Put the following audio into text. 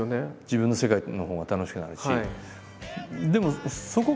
自分の世界のほうが楽しくなるし。